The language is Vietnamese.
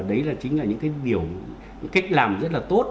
đấy là chính là những cái biểu những cái cách làm rất là tốt